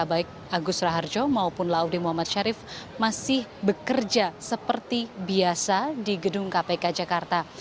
baik agus raharjo maupun laude muhammad syarif masih bekerja seperti biasa di gedung kpk jakarta